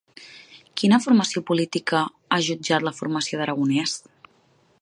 Quina formació política ha jutjat la formació d'Aragonès?